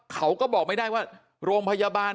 เขาก็บอกไม่ได้ว่าโรงพยาบาล